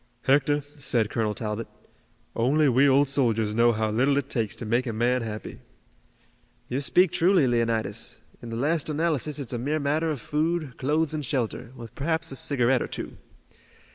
"Hector," said Colonel Talbot, "only we old soldiers know how little it takes to make a man happy." "You speak truly, Leonidas. In the last analysis it's a mere matter of food, clothes and shelter, with perhaps a cigarette or two.